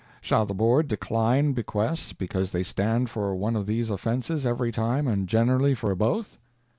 Shall the Board decline bequests because they stand for one of these offenses every time and generally for both?